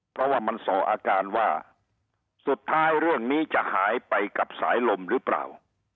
เพราะว่ามันส่ออาการว่าสุดท้ายเรื่องนี้จะหายไปกับสายลมหรือเปล่า